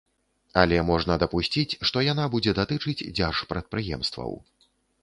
Але можна дапусціць, што яна будзе датычыць дзяржпрадпрыемстваў.